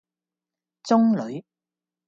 中女